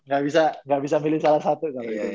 gak bisa milih salah satu